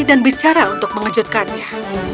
dan berbicara untuk mengejutkannya